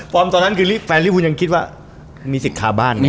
พร้อมตอนนั้นคือแฟนริภูมิยังคิดว่ามีสิทธิ์ค่าบ้าน